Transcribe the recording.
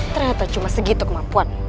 ternyata cuma segitu kemampuan